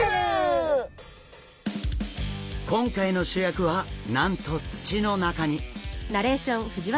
今回の主役はなんと土の中に！